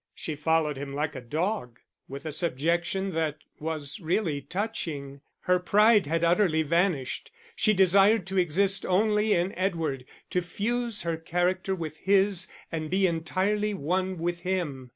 She followed him like a dog, with a subjection that was really touching; her pride had utterly vanished, and she desired to exist only in Edward, to fuse her character with his and be entirely one with him.